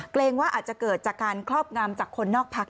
เกรงว่าอาจจะเกิดจากการครอบงามจากคนนอกพัก